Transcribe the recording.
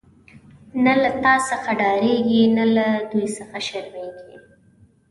نه له تا څخه ډاريږی، نه له دوی څخه شرميږی